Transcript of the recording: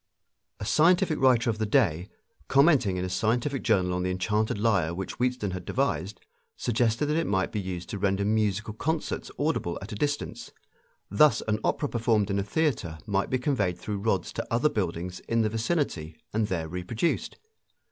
A scientific writer of the day, commenting in a scientific journal on the enchanted lyre which Wheatstone had devised, suggested that it might be used to render musical concerts audible at a distance. Thus an opera performed in a theater might be conveyed through rods to other buildings in the vicinity and there reproduced.